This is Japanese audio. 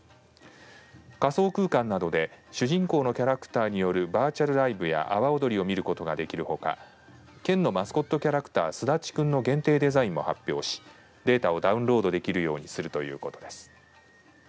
仮想空間などで主人公のキャラクターによるバーチャルライブや阿波踊りを見ることができるほか県のマスコットキャラクターすだちくんの限定デザインも発表しデータをダウンロードできるようにするということです。